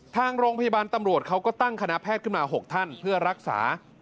ทางโรงพยาบาลตำรวจเขาก็ตั้งคณะแพทย์ขึ้นมา๖ท่านเพื่อรักษา